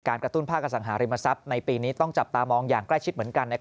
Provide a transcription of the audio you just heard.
กระตุ้นภาคอสังหาริมทรัพย์ในปีนี้ต้องจับตามองอย่างใกล้ชิดเหมือนกัน